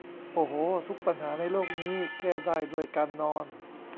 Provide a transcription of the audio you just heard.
โอ้โห ทุกปัญหาในโลกนี้ แก้ได้ด้วยการนอน